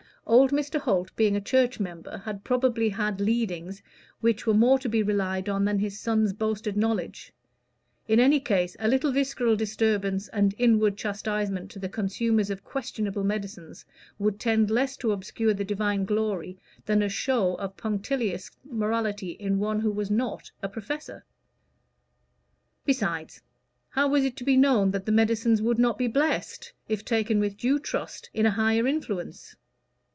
Old Mr. Holt, being a church member, had probably had "leadings" which were more to be relied on than his son's boasted knowledge. In any case, a little visceral disturbance and inward chastisement to the consumers of questionable medicines would tend less to obscure the divine glory than a show of punctilious morality in one who was not a "professor." Besides, how was it to be known that the medicines would not be blessed, if taken with due trust in a higher influence?